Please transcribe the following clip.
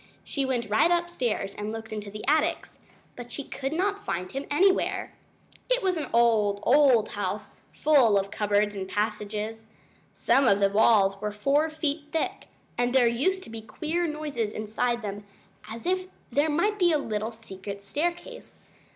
She went right upstairs and looked into the attics, but she could not find him anywhere. It was an old, old house, full of cupboards and passages. Some of the walls were four feet thick, and there used to be queer noises inside them, as if there might be a little secret staircase.